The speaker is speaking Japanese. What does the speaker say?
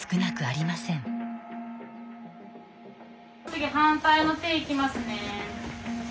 次反対の手いきますね。